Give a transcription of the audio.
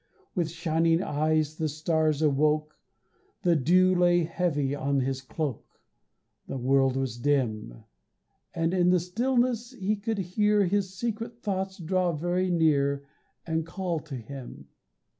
With shining eyes the stars awoke, The dew lay heavy on his cloak, The world was dim; And in the stillness he could hear His secret thoughts draw very near And call to him.